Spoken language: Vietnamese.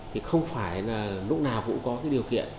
thì không phải là lúc nào cũng có cái điều kiện